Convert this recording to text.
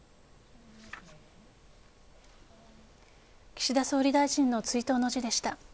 岸田総理大臣の追悼の辞でした。